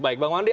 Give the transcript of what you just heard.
baik bang wandi